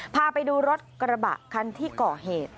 พาไปดูรถกระบะคันที่ก่อเหตุ